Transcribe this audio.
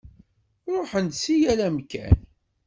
Ṛuḥen-d si yal amkan.